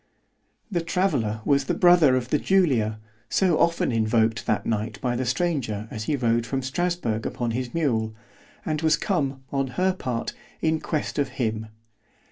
_ The traveller was the brother of the Julia, so often invoked that night by the stranger as he rode from Strasburg upon his mule; and was come, on her part, in quest of him.